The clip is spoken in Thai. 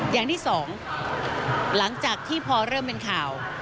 อย่างที่สองหลังจากที่พอเริ่มเป็นข่าว